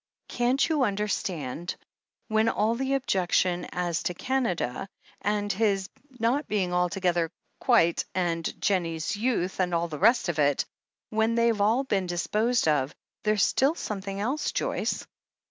"Can't you understand? When all the objections as to Canada, and his not being altogether— quite — ^and Jennie's youth and all the rest of it — ^when they've all been disposed of, there's still something else, Joyce.